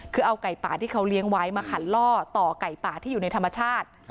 คือเอาไก่ป่าที่เขาเลี้ยงไว้มาขันล่อต่อไก่ป่าที่อยู่ในธรรมชาติ